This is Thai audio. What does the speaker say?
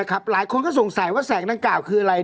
หลายคนก็สงสัยว่าแสงดังกล่าวคืออะไร